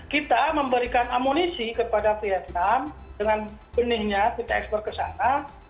kita memberikan amunisi kepada vietnam dengan benihnya kita ekspor ke sana